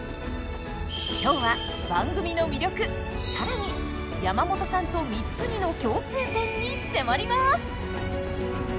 今日は番組の魅力更に山本さんと光圀の共通点に迫ります！